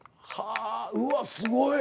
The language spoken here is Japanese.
うわすごい。